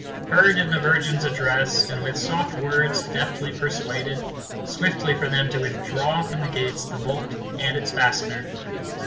Her did the virgins address, and with soft words deftly persuaded, Swiftly for them to withdraw from the gates the bolt and its fastener.